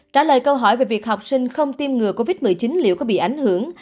trả lời câu hỏi về việc học sinh không tiêm ngừa covid một mươi chín liệu có bị ảnh hưởng